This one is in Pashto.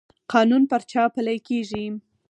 قانون پر چا پلی کیږي؟